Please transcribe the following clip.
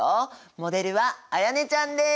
モデルは絢音ちゃんです！